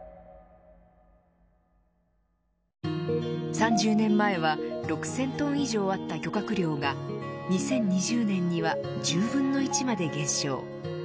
３０年前は６０００トン以上あった漁獲量が２０２０年には１０分の１まで減少。